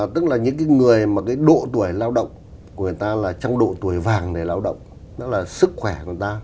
tức là những người mà độ tuổi lao động của người ta là trong độ tuổi vàng để lao động đó là sức khỏe của người ta